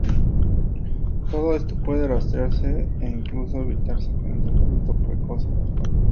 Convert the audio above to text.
Todo esto puede retrasarse e incluso evitarse con el tratamiento precoz adecuado.